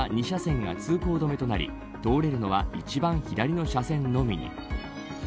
２車線が通行止めとなり通れるのは一番左の車線のみ。